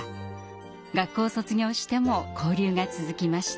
学校を卒業しても交流が続きました。